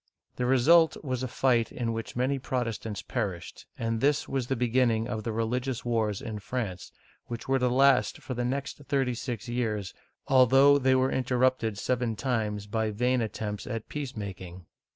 The result was a fight in which many Protestants perished, and this was the beginning of the religious wars in France, which were to last for the next thirty six years, although they were interrupted seven times by vain attempts at peace making.